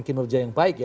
kinerja yang baik ya